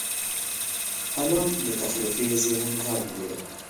قلم د تخلیقي ذهن غږ دی